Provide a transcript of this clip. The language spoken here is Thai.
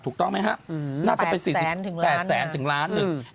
ถูกต้องไหมฮะอืมน่าจะเป็นสี่แสนถึงล้านแปดแสนถึงล้านหนึ่งอืม